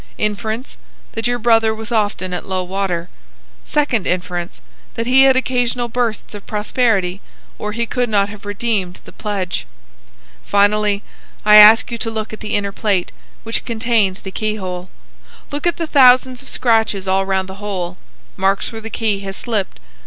Inference,—that your brother was often at low water. Secondary inference,—that he had occasional bursts of prosperity, or he could not have redeemed the pledge. Finally, I ask you to look at the inner plate, which contains the key hole. Look at the thousands of scratches all round the hole,—marks where the key has slipped.